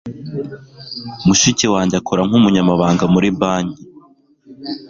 Mushiki wanjye akora nk'umunyamabanga muri banki